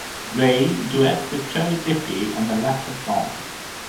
Raye duets with Joe Diffie on the latter song.